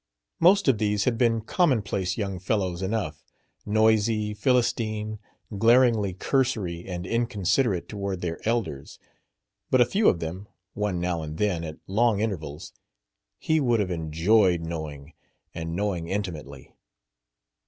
Most of these had been commonplace young fellows enough noisy, philistine, glaringly cursory and inconsiderate toward their elders; but a few of them one now and then, at long intervals he would have enjoyed knowing, and knowing intimately.